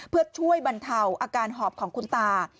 เพื่อช่วยบรรเทาอาการหอบของคุณตา